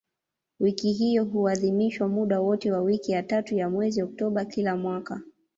Wiki hiyo huadhimishwa muda wote wa wiki ya tatu ya mwezi Oktoba kila mwaka.